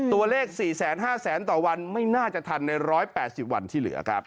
ตัวเลข๔๕๐๐๐ต่อวันไม่น่าจะทันใน๑๘๐วันที่เหลือครับ